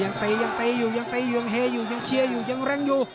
อย่างตีอย่างตีอยู่อย่างเฮยอยู่อย่างเชียร์อยู่อย่างเร่งอยู่